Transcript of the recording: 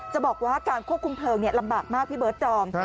จะบอกว่าการควบคุมเพลิงลำบากมากพี่เบิร์ตจอม